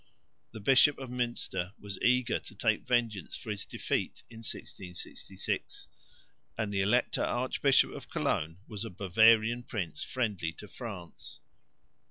The Bishop of Münster was eager to take vengeance for his defeat in 1666, and the Elector Archbishop of Cologne was a Bavarian prince friendly to France.